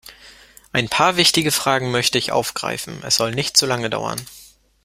Ein paar wichtige Fragen möchte ich aufgreifen, es soll nicht zu lange dauern.